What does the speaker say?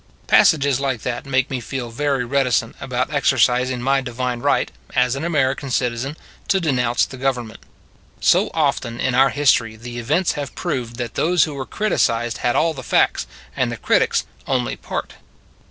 Passages like that make me feel very reticent about exercising my divine right, as an American citizen, to denounce the Government. So often, in our history, the events have 90 proved that those who were criticized had all the facts, and the critics only part.